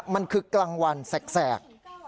มันคือกลางวันแสก